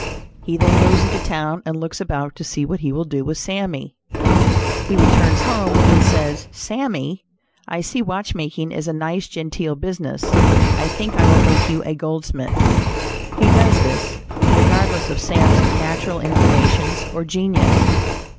He then goes into town and looks about to see what he will do with Sammy. He returns home and says "Sammy, I see watch making is a nice genteel business; I think I will make you a goldsmith." He does this, regardless of Sam's natural inclinations, or genius.